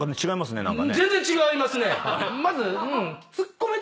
全然違いますね。